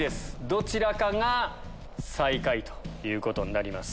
どちらかが最下位ということになります。